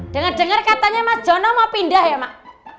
dengar dengar katanya mas jono mau pindah ya mak